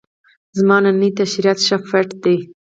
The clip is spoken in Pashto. زما نئی تیشرت ښه فټ ده.